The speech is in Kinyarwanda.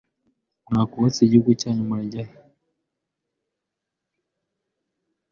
Mwakubatse igihugu cyanyu murajya he